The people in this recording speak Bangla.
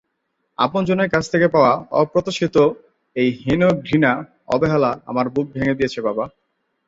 আপন জনের কাছ থেকে পাওয়া অপ্রত্যাশিত এই হীন ঘৃণা, অবহেলা আমার বুক ভেঙ্গে দিয়েছে বাবা!